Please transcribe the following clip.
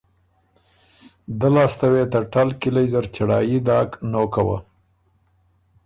دۀ لاسته وې ته ټل کِلئ زر چړهايي داک نوکه وه۔